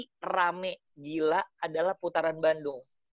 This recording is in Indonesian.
putaran yang pasti rame gila adalah putaran bandung